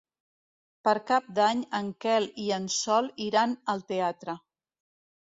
Per Cap d'Any en Quel i en Sol iran al teatre.